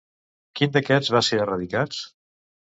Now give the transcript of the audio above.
Quins d'aquests van ser erradicats?